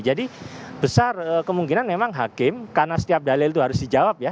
jadi besar kemungkinan memang hakim karena setiap dalil itu harus dijawab ya